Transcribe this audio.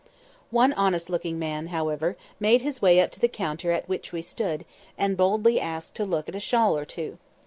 One honest looking man, however, made his way up to the counter at which we stood, and boldly asked to look at a shawl or two.